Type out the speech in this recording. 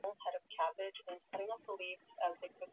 tangu siku za mfalme Henriq baada ya mwaka elfu moja mia nne